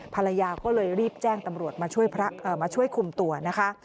ภรรยาก็เลยรีบแจ้งตำรวจมาช่วยคุมตัวนะคะ